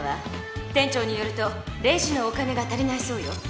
店長によるとレジのお金がたりないそうよ。